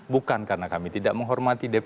bukan karena kami tidak menghormati dpr